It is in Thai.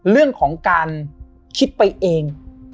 เรื่องของการคิดไปเอง